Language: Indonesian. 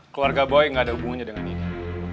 keluarga boy gak ada hubungannya dengan bang reyek